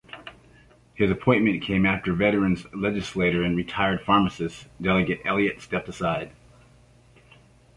His appointment came after veteran legislator and retired pharmacist, Delegate Elliott stepped aside.